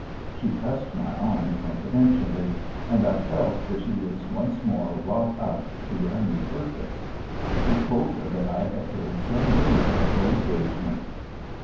She pressed my arm confidentially, and I felt that she was once more wrought up to a new purpose. I told her that I had heard some rumour of her engagement.